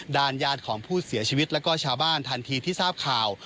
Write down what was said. ญาติของผู้เสียชีวิตแล้วก็ชาวบ้านทันทีที่ทราบข่าว